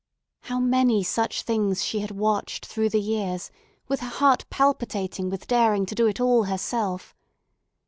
How many such things she had watched through the years, with her heart palpitating with daring to do it all herself!